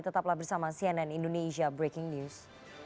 tetaplah bersama cnn indonesia breaking news